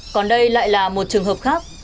còn đây lại là một trường hợp khác